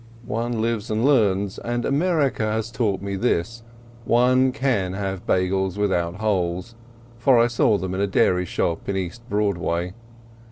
One lives and learns. And America has taught me this: One can have Beigels without holes, for I saw them in a dairy shop in East Broadway.